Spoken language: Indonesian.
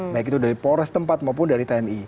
baik itu dari polres tempat maupun dari tni